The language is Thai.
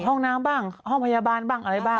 ห้องน้ำบ้างห้องพยาบาลบ้างอะไรบ้าง